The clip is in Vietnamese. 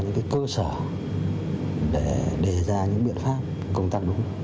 về thái độ chính trị có những cơ sở để đề ra những biện pháp công tác đúng